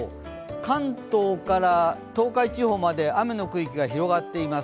関東から東海地方まで雨の区域が広がっています。